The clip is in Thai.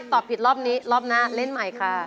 ตอบผิดรอบนี้รอบหน้าเล่นใหม่ค่ะ